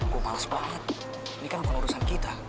gue males banget ini kan bukan urusan kita